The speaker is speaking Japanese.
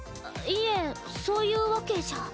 いえそういうわけじゃ。